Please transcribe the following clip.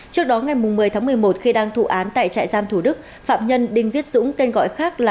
trước đó ngày một mươi tháng một mươi một khi đang thụ án tại trại giam thủ đức phạm nhân đinh viết dũng tên gọi khác là